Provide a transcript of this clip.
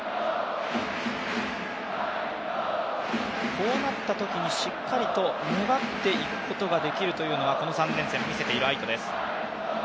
こうなったときにしっかりと粘っていくことができるというのがこの３連戦で見せている愛斗です。